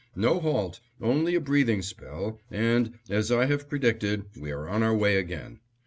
No halt, only a breathing spell and, as I have predicted, we are on our way again.